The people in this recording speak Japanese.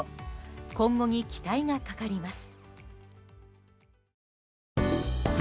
今後に期待がかかります。